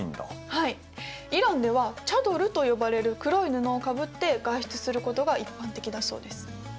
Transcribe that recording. はいイランではチャドルと呼ばれる黒い布をかぶって外出することが一般的だそうです。